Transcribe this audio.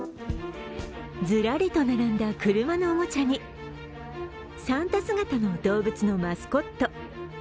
ずらりと並んだ車のおもちゃにサンタ姿の動物のマスコット。